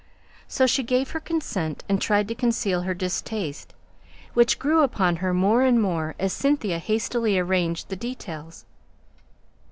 So she gave her consent, and tried to conceal her distaste, which grew upon her more and more as Cynthia hastily arranged the details.